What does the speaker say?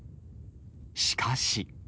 しかし。